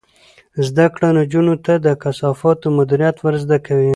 زده کړه نجونو ته د کثافاتو مدیریت ور زده کوي.